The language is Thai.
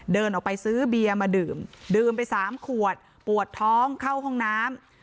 เดินออกไปซื้อเบียร์มาดื่มดื่มไป๓ขวดปวดท้องเข้าห้องน้ำ